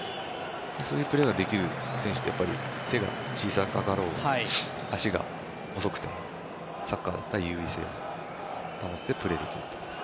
そういうプレーができる選手っていうのは、やっぱり背が小さかろうが足が細くてもサッカーだったら優位性を保ってプレーができると。